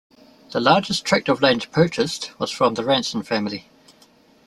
The largest tract of land purchased was from the Ranson family.